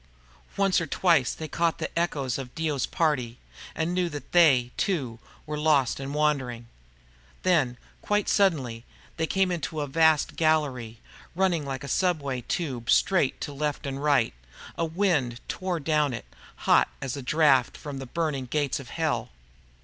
Once or twice they caught the echoes of Dio's party, and knew that they, too, were lost and wandering. Then, quite suddenly, they came out into a vast gallery, running like a subway tube straight to left and right. A wind tore down it, hot as a draught from the burning gates of Hell.